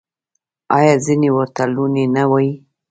آیا ځینې ورته لوني نه وايي؟